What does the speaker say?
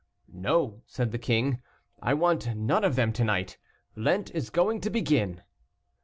"No," said the king, "I want none of them to night; Lent is going to begin."